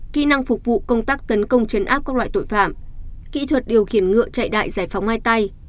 kỹ năng phục vụ công tác tấn công chấn áp các loại tội phạm kỹ thuật điều khiển ngựa chạy đại giải phóng ai tay